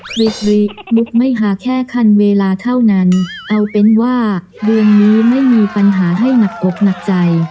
ริมุกไม่หาแค่คันเวลาเท่านั้นเอาเป็นว่าเดือนนี้ไม่มีปัญหาให้หนักอกหนักใจ